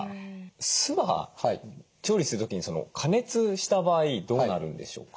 酢は調理する時に加熱した場合どうなるんでしょうか？